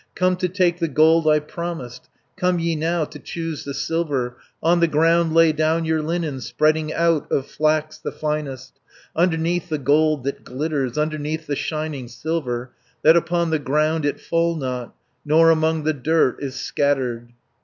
Come to take the gold I promised, Come ye now to choose the silver, On the ground lay down your linen, Spreading out of flax the finest, 260 Underneath the gold that glitters, Underneath the shining silver, That upon the ground it fall not, Nor among the dirt is scattered."